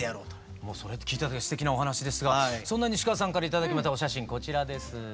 それ聞いただけですてきなお話ですがそんな西川さんから頂きましたお写真こちらです。